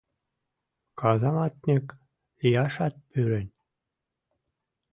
Казаматньык лияшат пӱрен.